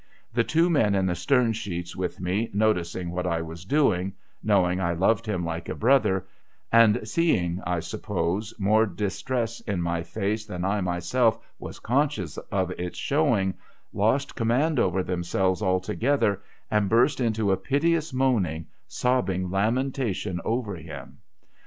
The two men in the stern sheets with me, noticing what I was doing — knowing I loved him like a brother — and seeing, I suppose, more distress in my face than I myself was conscious of its showing, lost command over themselves altogether, and burst into a piteous moaning, sobbing lamentation over him.